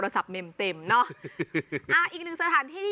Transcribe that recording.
สุดยอดน้ำมันเครื่องจากญี่ปุ่น